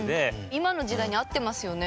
今の時代に合ってますよね。